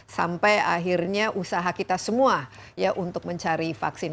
sampai akhirnya usaha kita semua ya untuk mencari vaksin